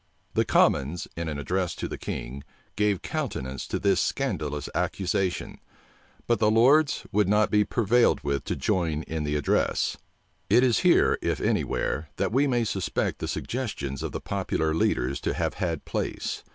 The commons, in an address to the king, gave countenance to this scandalous accusation; but the lords would not be prevailed with to join in the address. It is here, if any where, that we may suspect the suggestions of the popular leaders to have had place.